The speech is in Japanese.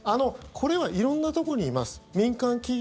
これは色んなところにいます。